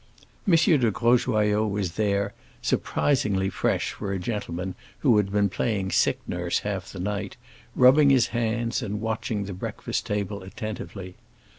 M. de Grosjoyaux was there, surprisingly fresh for a gentleman who had been playing sick nurse half the night, rubbing his hands and watching the breakfast table attentively.